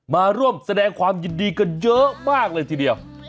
มาร่วมแสดงความยินดีกันเยอะมากเลยทีเดียว